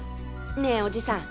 ねえおじさん